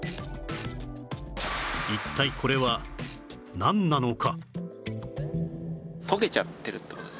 一体これはなんなのか？